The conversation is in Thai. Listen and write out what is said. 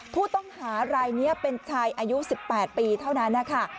ผู้ต้องหารายนี้เป็นชายอายุ๑๘ปีเท่านั้นนะคะ